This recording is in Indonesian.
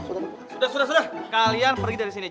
sudah sudah sudah kalian pergi dari sini